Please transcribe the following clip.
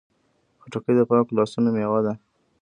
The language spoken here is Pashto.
خټکی د پاکو لاسونو میوه ده.